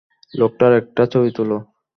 লোকটার একটা ছবি তুলো।